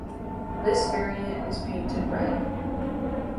This variant is painted red.